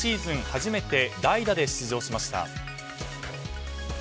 初めて代打で出場しました。